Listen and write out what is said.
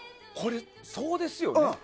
これ、そうですよね。